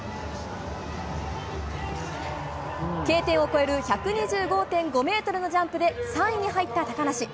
Ｋ点を越える１２５．５ｍのジャンプで３位に入った高梨。